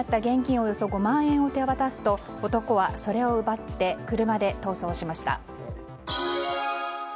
およそ５万円を手渡すと男はそれを奪って車で逃走しました。